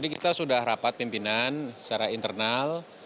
kita sudah rapat pimpinan secara internal